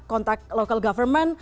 kontak pemerintah lokal